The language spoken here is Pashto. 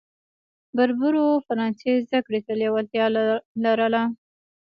بربرو فرانسې زده کړې ته لېوالتیا لرله.